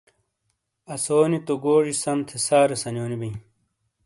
اسوئی نی تو گوجی سم تھےسارے سنیونو بیئں